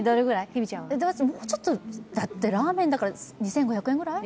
もうちょっとだってラーメンだから２５００円ぐらい？